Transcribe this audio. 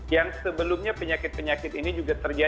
yang sebelumnya penyakit penyakit ini juga terjadi